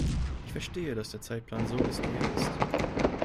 Ich verstehe, dass der Zeitplan so ist, wie er ist.